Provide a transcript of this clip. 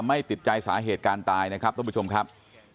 ไม่ติดใจสาเหตุการณ์ตายนะครับท่านผู้ชมครับ